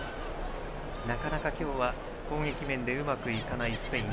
なかなか今日は、攻撃面でうまくいかないスペイン。